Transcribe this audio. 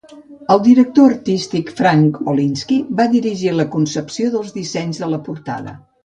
El director artístic Frank Olinsky va dirigir la concepció dels dissenys de la portada.